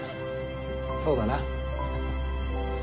そうだな。